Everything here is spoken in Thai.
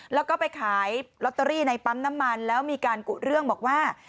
แล้วก็ไปขายลอตเตอรี่ในปั๊มน้ำมันแล้วมีการกุเรื่องบอกว่า